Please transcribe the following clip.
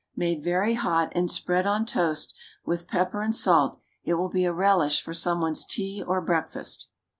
Made very hot, and spread on toast, with pepper and salt, it will be a relish for some one's tea or breakfast.